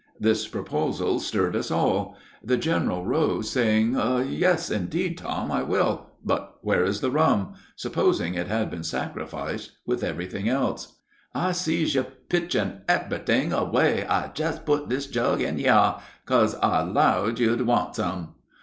This proposal stirred us all. The general rose, saying, "Yes, indeed, Tom, I will; but where is the rum?" supposing it had been sacrificed with everything else. [Illustration: OVER A CORAL REEF.] "I sees you pitchin' eberyt'ing away; I jes put this jug in hyar, 'ca'se I 'lowed you'd want some."